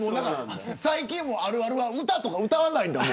最近もあるあるは歌とか歌わないのか。